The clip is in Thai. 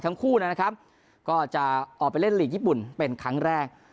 ทั้งคู่นะครับก็จะออกไปเล่นลีกญี่ปุ่นเป็นครั้งแรก